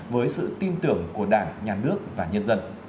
với sự tin tưởng của đảng nhà nước và nhân dân